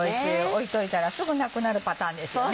置いといたらすぐなくなるパターンですよね。